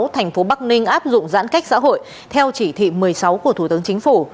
thành phố bắc ninh áp dụng giãn cách xã hội theo chỉ thị một mươi sáu của thủ tướng chính phủ